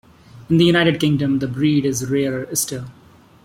In the United Kingdom, the breed is rarer still.